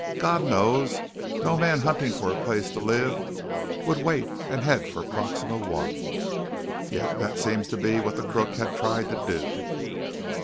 God knows, no man hunting for a place to live would wait and head for Proxima I. Yet that seems to be what the crook had tried to do."